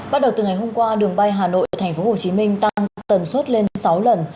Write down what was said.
bắt đầu từ ngày hôm qua đường bay hà nội thành phố hồ chí minh tăng tần suất lên sáu lần